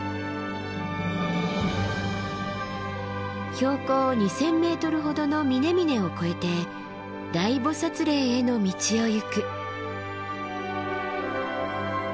標高２，０００ｍほどの峰々を越えて大菩嶺への道を行く。